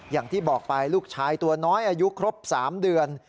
อย่างที่บอกไปลูกชายตัวน้อยอายุครบ๓เดือน